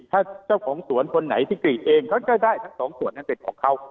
ถ้าเจ้าของสวนคนไหนที่กรีดเองเขาก็ได้ทั้งสองส่วนนั้นเป็นของเขา